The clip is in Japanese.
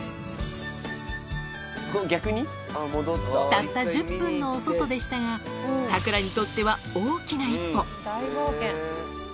たった１０分のお外でしたが、サクラにとっては、大きな一歩。